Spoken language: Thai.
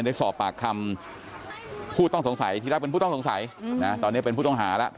ได้สอบปากคำผู้ต้องสงสัยที่แรกเป็นผู้ต้องสงสัยนะตอนนี้เป็นผู้ต้องหาแล้ว